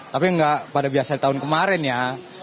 tapi nggak pada biasa tahun kemarin ya